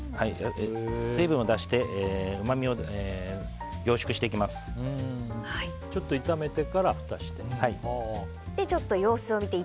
水分を出してちょっと炒めてからふたをして。